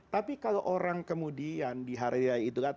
tapi kalau orang kemudian di hari itu